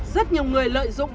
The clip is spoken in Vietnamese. rất nhiều người lợi dụng